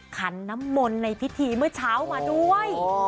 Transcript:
ขันน้ำมนต์ในพิธีเมื่อเช้ามาด้วย